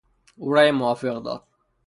او رای موافق داد.